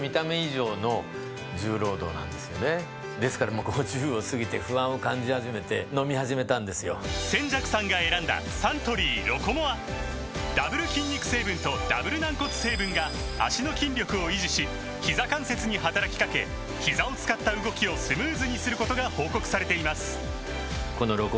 そう語るのは中村扇雀さん扇雀さんが選んだサントリー「ロコモア」ダブル筋肉成分とダブル軟骨成分が脚の筋力を維持しひざ関節に働きかけひざを使った動きをスムーズにすることが報告されています